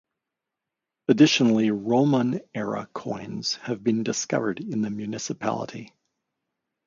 Additionally, Roman era coins have been discovered in the municipality.